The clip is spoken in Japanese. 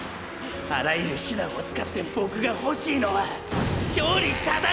あらゆる手段を使ってボクが欲しいのは勝利ただ